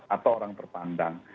atau orang terpandang